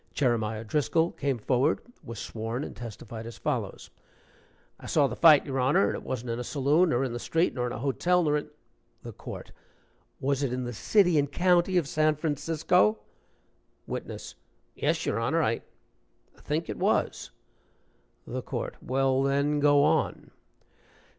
Jeremiah Driscoll came forward, was sworn, and testified as follows: "I saw the fight, your Honor, and it wasn't in a saloon, nor in the street, nor in a hotel, nor in " THE COURT. "Was it in the city and county of San Francisco!" WITNESS. "Yes, your Honor, I I think it was." THE COURT. "Well, then, go on."